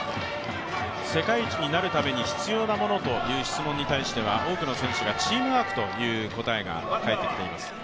世界一になるために必要なものという質問に対しては多くの選手が、チームワークという答えが返ってきています。